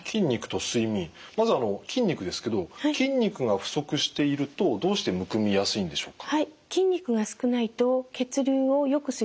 まずあの筋肉ですけど筋肉が不足しているとどうしてむくみやすいんでしょうか？